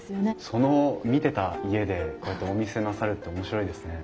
その見てた家でこうやってお店なさるって面白いですね。